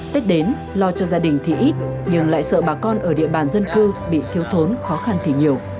tết đến lo cho gia đình thì ít nhưng lại sợ bà con ở địa bàn dân cư bị thiếu thốn khó khăn thì nhiều